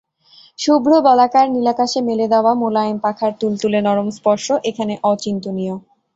শুভ্র বলাকার নীলাকাশে মেলে দেওয়া মোলায়েম পাখার তুলতুলে নরম স্পর্শ এখানে অচিন্তনীয়।